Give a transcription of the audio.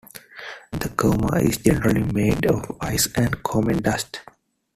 The coma is generally made of ice and comet dust.